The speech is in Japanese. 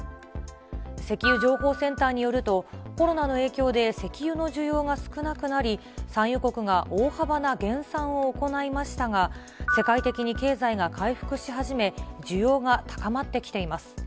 石油情報センターによると、コロナの影響で石油の需要が少なくなり、産油国が大幅な減産を行いましたが、世界的に経済が回復し始め、需要が高まってきています。